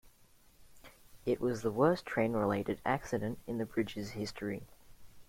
It was the worst train-related accident in the bridge's history.